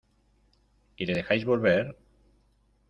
¿ Y le dejáis volver?